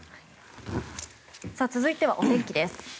続いてはお天気です。